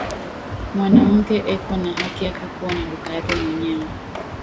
Mwanamuke eko na haki ya kuwa na duka yake mwenyewe